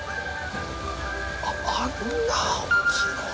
あっあんな大っきいの？